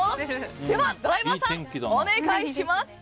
ではドライバーさんお願いします。